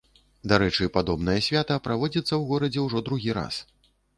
Дарэчы, падобнае свята праводзіцца ў горадзе ўжо другі раз.